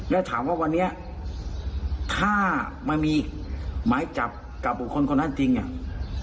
แล้วถามว่าวันนี้ถ้ามันมีหมายจับกับบุคคลคนนั้นจริงอ่ะ